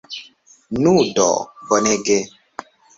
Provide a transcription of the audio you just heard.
Nu do, bonege!